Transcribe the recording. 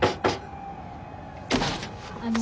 あの。